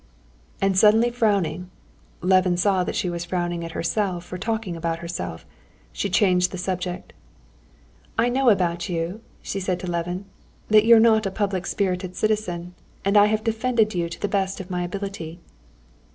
And suddenly frowning (Levin saw that she was frowning at herself for talking about herself) she changed the subject. "I know about you," she said to Levin; "that you're not a public spirited citizen, and I have defended you to the best of my ability."